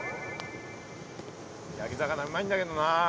焼き魚うまいんだけどな。